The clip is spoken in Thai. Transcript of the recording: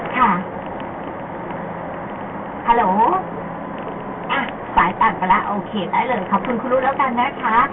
ค่ะฮัลโหลอ่ะสายปั่นไปแล้วโอเคได้เลยขอบคุณคุณลูกแล้วกันนะคะ